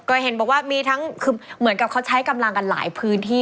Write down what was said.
ก็เห็นบอกว่ามีทั้งคือเหมือนกับเขาใช้กำลังกันหลายพื้นที่